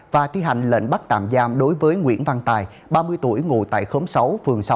và thi hành lệnh bắt tạm giam đối với nguyễn văn tài ba mươi tuổi ngụ tại khóm sáu phường sáu